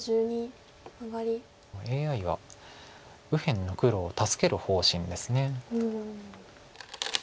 ＡＩは右辺の黒を助ける方針です。